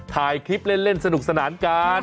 ถ่ายคลิปเล่นสนุกสนานกัน